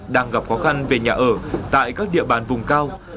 đang gặp khó khăn về nhà ở tại các địa bàn vùng cao